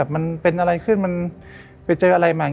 มันเป็นอะไรขึ้นมันไปเจออะไรใหม่